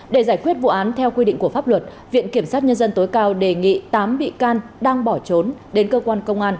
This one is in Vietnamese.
để giải quyết vụ án theo quy định của pháp luật viện kiểm sát nhân dân tối cao đề nghị tám bị can đang bỏ trốn đến cơ quan công an